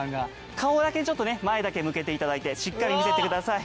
顔だけちょっとね前だけ向けていただいてしっかり見せてください。